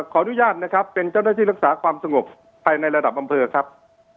ขออนุญาตนะครับเป็นเจ้าหน้าที่รักษาความสงบภายในระดับอำเภอครับ